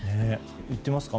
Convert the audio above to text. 行っていますか？